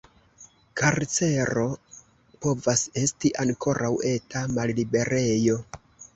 Karcero povas esti ankaŭ eta malliberejo.